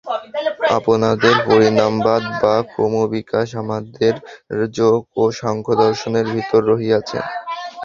আপনাদের পরিণামবাদ বা ক্রমবিকাশ আমাদের যোগ ও সাংখ্যদর্শনের ভিতর রহিয়াছে।